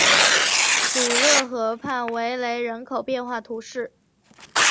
鲁勒河畔维雷人口变化图示